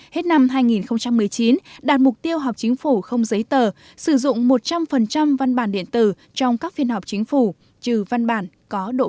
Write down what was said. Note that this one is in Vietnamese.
hết năm hai nghìn một mươi chín đạt mục tiêu họp chính phủ không giấy tờ sử dụng một trăm linh văn bản điện tử trong các phiên họp chính phủ trừ văn bản có độ